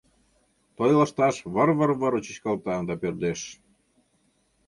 Той лышташ выр-выр-выр Чӱчкалта да пӧрдеш.